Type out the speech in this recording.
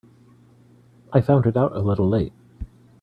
I found it out a little late.